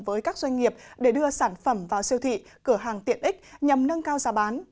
với các doanh nghiệp để đưa sản phẩm vào siêu thị cửa hàng tiện ích nhằm nâng cao giá bán